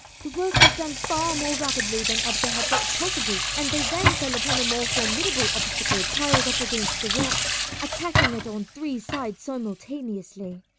The work was done far more rapidly than Edgar had thought possible, and they then fell upon the more formidable obstacle piled up against the rocks, attacking it on three sides simultaneously.